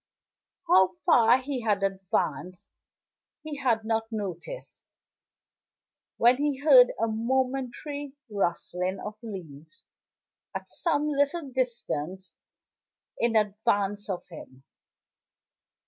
How far he had advanced he had not noticed, when he heard a momentary rustling of leaves at some little distance in advance of him.